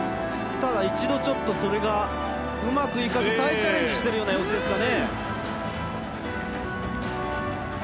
ただ、一度それがうまくいかず再チャレンジしている様子ですかね。